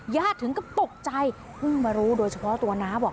ถึงก็ตกใจเพิ่งมารู้โดยเฉพาะตัวน้าบอก